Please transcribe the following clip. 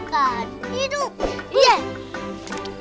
kas dulu dam